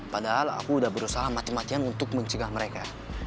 padahal aku udah berusaha mati matian untuk mencegah mereka